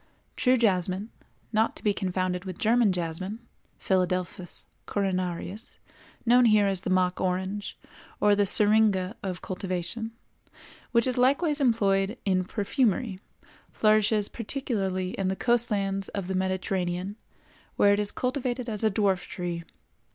True jasmine—not to be confounded with German jasmine (Philadelphus coronarius, known here as the mock orange, or the Syringa of cultivation) which is likewise employed in perfumery—flourishes particularly in the coast lands of the Mediterranean, where it is cultivated as a dwarf tree.